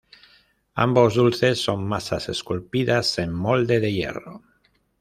Ambos dulces son masas esculpidas en molde de hierro.